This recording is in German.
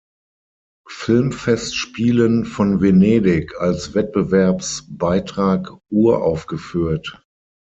Filmfestspielen von Venedig als Wettbewerbsbeitrag uraufgeführt.